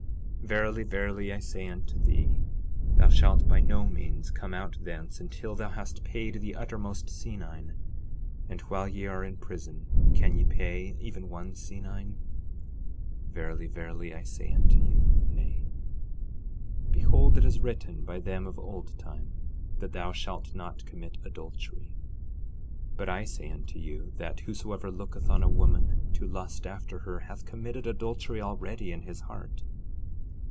12:26 Verily, verily, I say unto thee, thou shalt by no means come out thence until thou hast paid the uttermost senine. And while ye are in prison can ye pay even one senine? Verily, verily, I say unto you, Nay. 12:27 Behold, it is written by them of old time, that thou shalt not commit adultery; 12:28 But I say unto you, that whosoever looketh on a woman, to lust after her, hath committed adultery already in his heart.